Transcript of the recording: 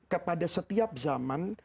kepada setiap zaman